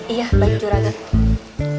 iya baik juragan